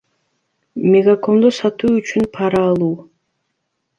Мегакомду сатуу үчүн пара алуу